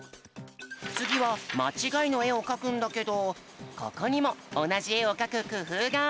つぎはまちがいのえをかくんだけどここにもおなじえをかくくふうが！